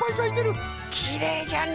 きれいじゃね！